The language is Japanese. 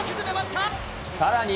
さらに。